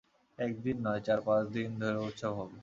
একদিন নয়, চার-পাঁচ দিন ধরে উৎসব হবে।